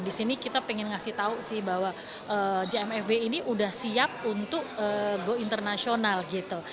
di sini kita pengen ngasih tau sih bahwa jmfw ini udah siap untuk go internasional gitu